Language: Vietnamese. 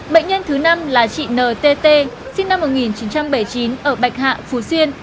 bệnh nhân thứ năm là chị n t t sinh năm một nghìn chín trăm bảy mươi chín ở bạch hạ phú xuyên